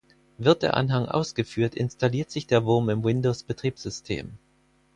Wird der Anhang ausgeführt, installiert sich der Wurm im Windows-Betriebssystem.